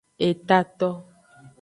Etato.